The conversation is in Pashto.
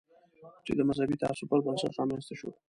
چې د مذهبي تعصب پر بنسټ رامنځته شو.